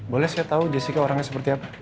boleh saya tahu jessica orangnya seperti apa